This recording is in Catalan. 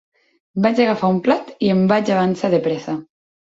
Vaig agafar un plat i em vaig avançar de pressa.